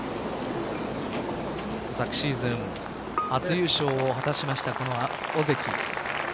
昨シーズン初優勝を果たしました尾関。